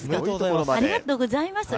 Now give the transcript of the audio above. ありがとうございます。